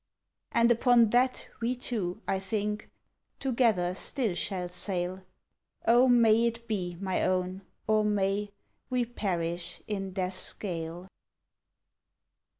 And upon that we two, I think, Together still shall sail. Oh, may it be, my own, or may We perish in death's gale!